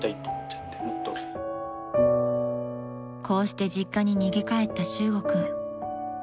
［こうして実家に逃げ帰った修悟君］